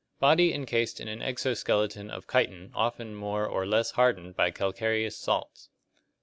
Body encased in an exo skeleton of chitin often more or less hardened by calcareous salts.